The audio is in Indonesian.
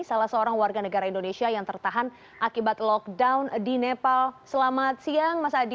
salah seorang warga negara indonesia yang tertahan akibat lockdown di nepal selamat siang mas adi